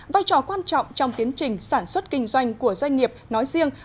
vai trò quan trọng trong tiến trình sản xuất kinh doanh của doanh nghiệp nói riêng